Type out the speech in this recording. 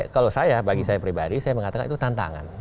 kalau saya bagi saya pribadi saya mengatakan itu tantangan